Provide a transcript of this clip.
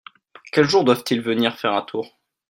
Quel jour doivent-ils venir faire un tour ?